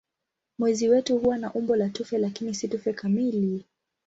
Mwezi wetu huwa na umbo la tufe lakini si tufe kamili.